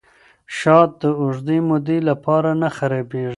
شات د اوږدې مودې لپاره نه خرابیږي.